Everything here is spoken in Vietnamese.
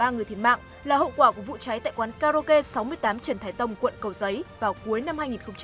ba người thiệt mạng là hậu quả của vụ cháy tại quán karaoke sáu mươi tám trần thái tông quận cầu giấy vào cuối năm hai nghìn một mươi chín